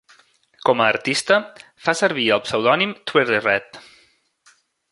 Com a artista fa servir el pseudònim Twirlyred.